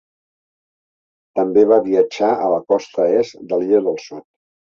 També va viatjar a la costa est de l'Illa del Sud.